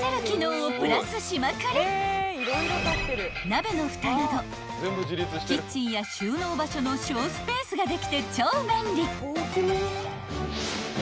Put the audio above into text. ［鍋のふたなどキッチンや収納場所の省スペースができて超便利］